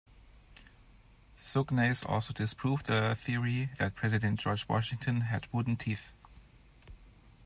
Sognnaes also disproved the theory that President George Washington had wooden teeth.